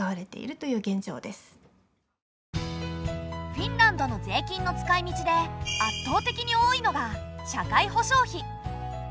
フィンランドの税金の使いみちで圧倒的に多いのが社会保障費。